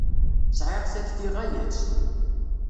Sɛiɣ takti ɣaya-tt.